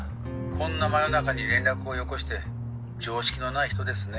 こんな真夜中に連絡をよこして常識のない人ですね